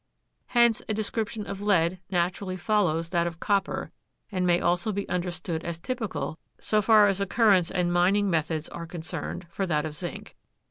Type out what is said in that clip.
Hence a description of lead naturally follows that of copper and may also be understood as typical, so far as occurrence and mining methods are concerned, for that of zinc.